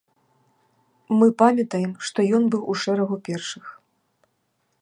Мы памятаем, што ён быў у шэрагу першых.